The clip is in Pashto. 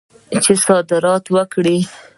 چې صادرات وکړي.